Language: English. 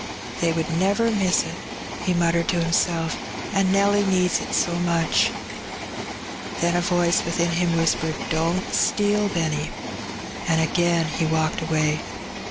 " They would never miss it," he muttered to himself, "an' Nelly needs it so much.'' Then a voice within him whispered, "Don't steal, Benny," and again he walked away.